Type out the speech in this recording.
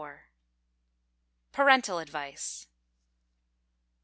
Parental Advice.